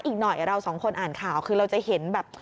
อีกหน่อยเราสองคนอ่านข่าวคือเราจะเห็นแบบ